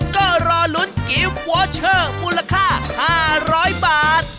ก็รอลุ้นกิฟต์วอเชอร์มูลค่า๕๐๐บาท